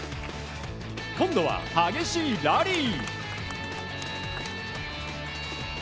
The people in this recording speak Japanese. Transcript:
今度は激しいラリー。